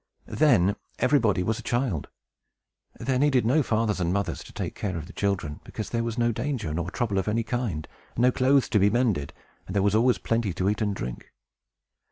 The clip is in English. Then, everybody was a child. There needed no fathers and mothers to take care of the children; because there was no danger, nor trouble of any kind, and no clothes to be mended, and there was always plenty to eat and drink.